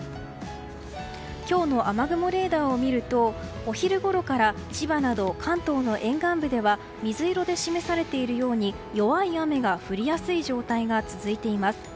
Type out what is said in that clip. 今日の雨雲レーダーを見るとお昼ごろから千葉など関東の沿岸部では水色で示されてるように弱い雨が降りやすい状態が続いています。